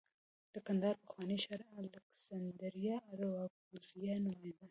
د کندهار پخوانی ښار الکسندریه اراکوزیا نومېده